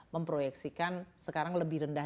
memproyeksikan sekarang lebih rendah